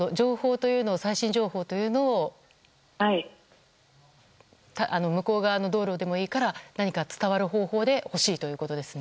最新情報というのを向こう側の道路でもいいから何か伝わる方法で欲しいということですね。